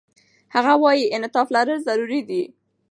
هغه وايي، انعطاف لرل ضروري دي.